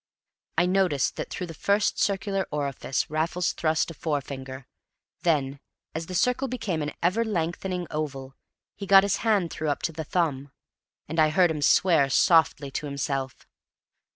I noticed that through the first circular orifice Raffles thrust a forefinger; then, as the circle became an ever lengthening oval, he got his hand through up to the thumb; and I heard him swear softly to himself.